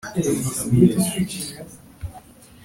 Hanuni bati “Mbese ye, ugira ngo Dawidi